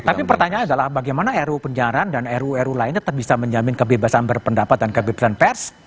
oke tapi pertanyaannya adalah bagaimana ruu penjarahan dan ruu ruu lain tetap bisa menjamin kebebasan berpendapat dan kebebasan pers